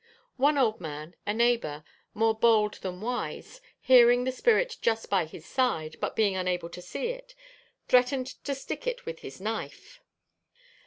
One old man, a neighbour, more bold than wise, hearing the spirit just by his side, but being unable to see it, threatened to stick it with his knife.